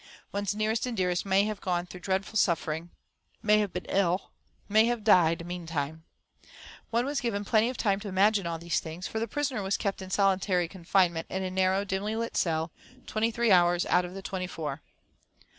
One's nearest and dearest may have gone through dreadful suffering, may have been ill, may have died, meantime. One was given plenty of time to imagine all these things, for the prisoner was kept in solitary confinement in a narrow, dimly lit cell, twenty three hours out of the twenty four.